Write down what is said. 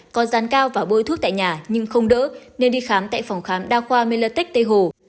có gián cao và bôi thuốc tại nhà nhưng không đỡ nên đi khám tại phòng khám đa khoa melatech tây hồ